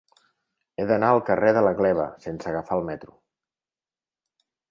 He d'anar al carrer de la Gleva sense agafar el metro.